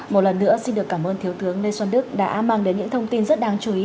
một lần nữa xin được cảm ơn thiếu tướng lê xuân đức đã mang đến những thông tin rất đáng chú ý